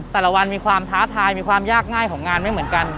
แต่ละวันมีความท้าทายมีความยากง่ายของงานไม่เหมือนกัน